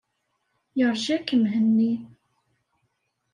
Yeṛja-k Mhenni.